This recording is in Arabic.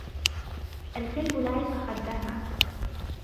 الكلب لعق خدها.